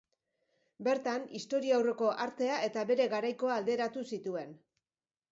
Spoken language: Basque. Bertan, historiaurreko artea eta bere garaikoa alderatu zituen.